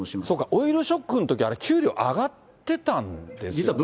そっか、オイルショックのときって給料上がってたんですね。